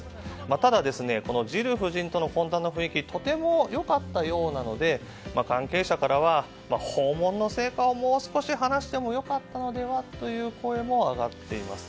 ただ、ジル夫人との懇談の雰囲気はとても良かったようなので関係者からは訪問の成果をもう少し話しても良かったのでは？という声も上がっています。